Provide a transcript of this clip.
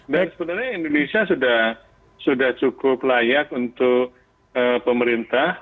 dan sebenarnya indonesia sudah cukup layak untuk pemerintah